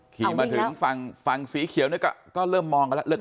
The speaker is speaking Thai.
ขี่มาถึงฝั่งสีเขียวนี่ก็เริ่มมองกันแล้ว